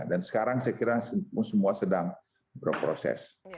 sekarang saya kira semua sedang berproses